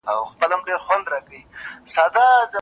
لارښود باید له پوهې سره خپله مینه ثابته کړي.